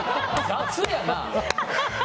雑やな！